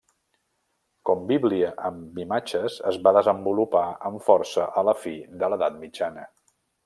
Com Bíblia amb imatges es va desenvolupar amb força a la fi de l'edat mitjana.